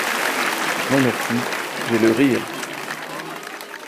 Non, merci… j’ai le Rire.